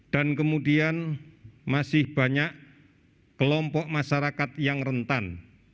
dan kemudian masih banyak kelompok masyarakat yang rentan